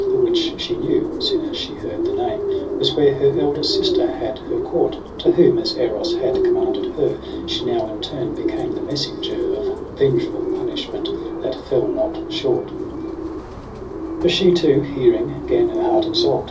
The which she knew, soon as she heard the name, Was where her elder sister had her court 5 To whom, as Eros had commanded her. She now in turn became the messenger Of vengeful punishment, that fell not short : For she too hearing gan her heart exalt.